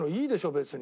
別に。